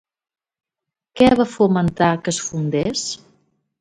Què va fomentar que es fundés?